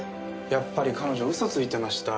やっぱり彼女嘘ついてました。